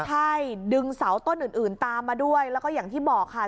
ใช่ดึงเสาต้นอื่นตามมาด้วยแล้วก็อย่างที่บอกค่ะ